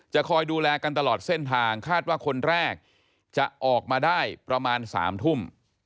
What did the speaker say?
คอยดูแลกันตลอดเส้นทางคาดว่าคนแรกจะออกมาได้ประมาณ๓ทุ่ม